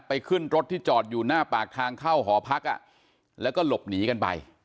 ขึ้นรถที่จอดอยู่หน้าปากทางเข้าหอพักแล้วก็หลบหนีกันไป